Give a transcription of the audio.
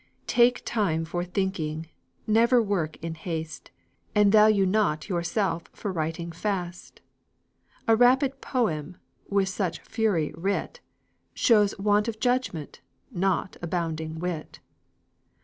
Take time for thinking; never work in haste; And value not yourself for writing fast; A rapid poem, with such fury writ, Shows want of judgment, not abounding wit.